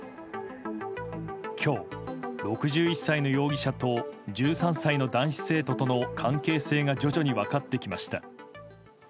今日、６１歳の容疑者と１３歳の男子生徒との関係性が徐々に分かってきました。